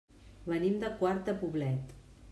Venim de Quart de Poblet.